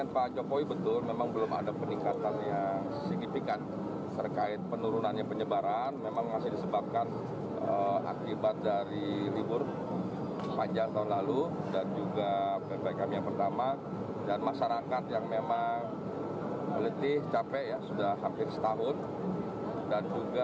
pembatasan kegiatan di jakarta